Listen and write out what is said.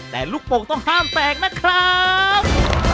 แต่ลูกโป่งต้องห้ามแตกนะครับ